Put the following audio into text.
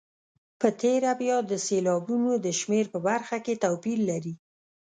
په تېره بیا د سېلابونو د شمېر په برخه کې توپیر لري.